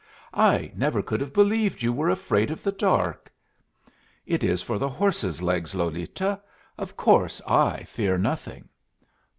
"I never could have believed you were afraid of the dark." "It is for the horse's legs, Lolita. Of course I fear nothing."